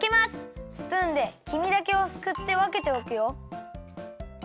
スプーンでき身だけをすくってわけておくよ。